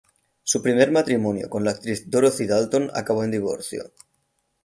Su primer matrimonio con la actriz Dorothy Dalton acabó en divorcio.